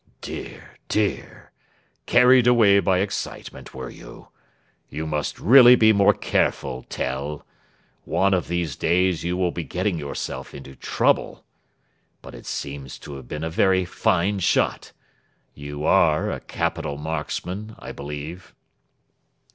"Dear, dear! Carried away by excitement, were you? You must really be more careful, Tell. One of these days you will be getting yourself into trouble. But it seems to have been a very fine shot. You are a capital marksman, I believe?"